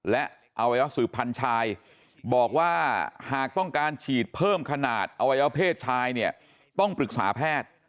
และอวัยวะสืบพันชายบอกว่าหากต้องการฉีดเพิ่มขนาดอวัยวเพศชายเนี่ยต้องปรึกษาแพทย์